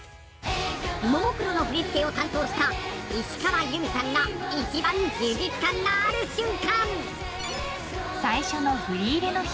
ももクロの振り付けを担当した石川ゆみさんが一番充実感がある瞬間。